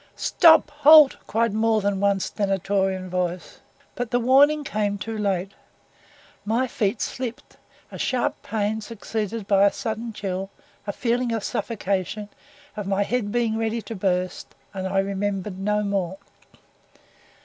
"Stop! halt!" shouted more than one stentorian voice; but the warning came too late. My feet slipped a sharp pain succeeded by a sudden chill a feeling of suffocation of my head being ready to burst and I remembered no more.